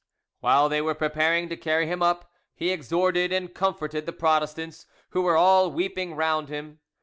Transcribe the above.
While they were preparing to carry him up, he exhorted and comforted the Protestants, who were all weeping round him.